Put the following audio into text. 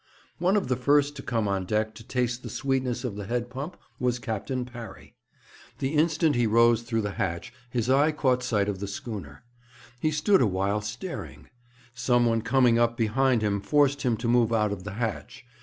One of the first to come on deck to taste the sweetness of the head pump was Captain Parry. The instant he rose through the hatch his eye caught sight of the schooner. He stood awhile staring; someone coming up behind him forced him to move out of the hatch.